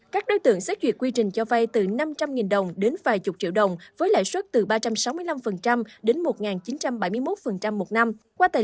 các đối tượng xét duyệt quy trình cho vay từ năm trăm linh đồng đến vài chục triệu đồng với lãi suất từ ba trăm sáu mươi năm đến một chín trăm bảy mươi một một năm